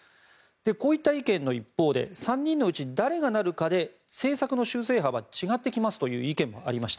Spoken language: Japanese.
こういった意見の一方で３人のうち誰がなるかで政策の修正幅が違ってきますという意見もありました。